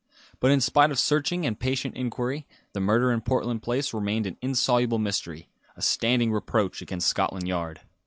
But in spite of searching and patient inquiry, the murder in Portland Place remained an insoluble mystery, a standing reproach against Scotland Yard.